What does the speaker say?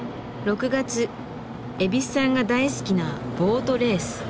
蛭子さんが大好きなボートレース。